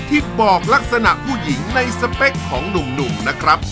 ที่บอกลักษณะผู้หญิงในสเปคของหนุ่มนะครับ